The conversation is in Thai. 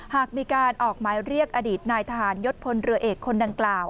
หากมีการออกหมายเรียกอดีตนายทหารยศพลเรือเอกคนดังกล่าว